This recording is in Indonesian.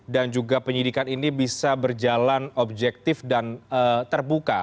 dan juga penyidikan ini bisa berjalan objektif dan terbuka